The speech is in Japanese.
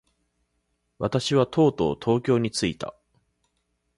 私はとうとう東京に着いた。